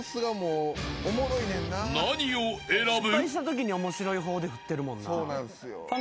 ［何を選ぶ？］